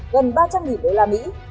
gần ba trăm linh usd